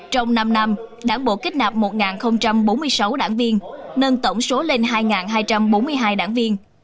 trong năm năm đảng bộ kết nạp một bốn mươi sáu đảng viên nâng tổng số lên hai hai trăm bốn mươi hai đảng viên